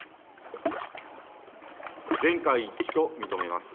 全会一致と認めます。